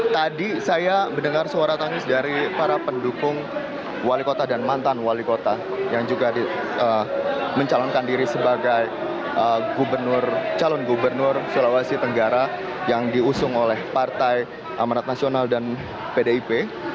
tadi saya mendengar suara tangis dari para pendukung wali kota dan mantan wali kota yang juga mencalonkan diri sebagai calon gubernur sulawesi tenggara yang diusung oleh partai amanat nasional dan pdip